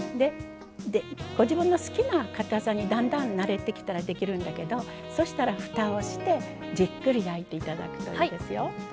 ご自分の好きなかたさにだんだん慣れてきたらできるんだけどそしたら、ふたをして、じっくり焼いていただくといいですよ。